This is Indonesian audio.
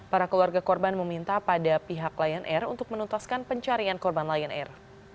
para keluarga korban meminta pada pihak lion air untuk menuntaskan pencarian korban lion air